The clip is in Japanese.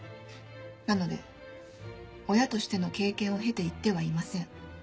なので親としての経験を経て言ってはいません。